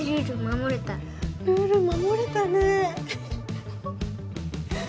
守れたルール守れたね